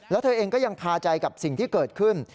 แล้วเธอเองก็ยังคาใจกับสิ่งที่เกิดขึ้น